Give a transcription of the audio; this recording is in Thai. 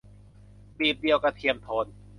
กลีบเดียวกระเทียมโทน